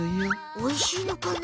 おいしいのかな？